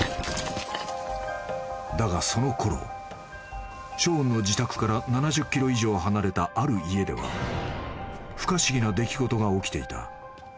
［だがそのころショーンの自宅から７０ｋｍ以上離れたある家では不可思議な出来事が起きていた］